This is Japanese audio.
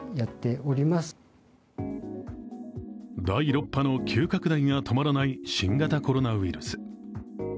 第６波の急拡大が止まらない新型コロナウイルス。